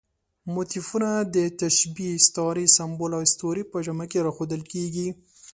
موتیفونه د تشبیه، استعارې، سمبول او اسطورې په جامه کې راښودل کېږي.